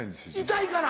痛いから？